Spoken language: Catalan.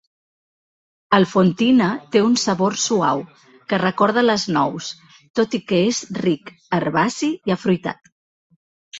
El fontina té un sabor suau, que recorda les nous, tot i que és ric, herbaci i afruitat.